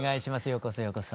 ようこそようこそ。